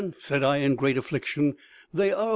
said I in great affliction, 'they are awa'.'